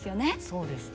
そうですね。